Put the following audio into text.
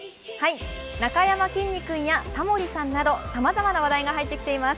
なかやまきんに君やタモリさんなどさまざまな話題が入ってきています。